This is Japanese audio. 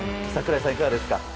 櫻井さん、いかがですか。